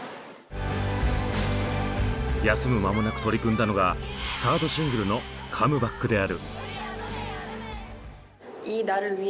休む間もなく取り組んだのがサードシングルのカムバックである。